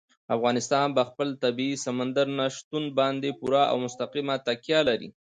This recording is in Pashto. افغانستان په خپل طبیعي سمندر نه شتون باندې پوره او مستقیمه تکیه لري.